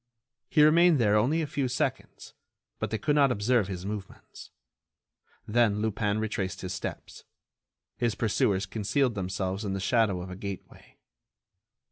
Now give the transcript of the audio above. He remained there only a few seconds, but they could not observe his movements. Then Lupin retraced his steps. His pursuers concealed themselves in the shadow of a gateway.